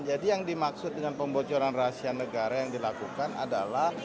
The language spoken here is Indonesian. jadi yang dimaksud dengan pembocoran rahasia negara yang dilakukan adalah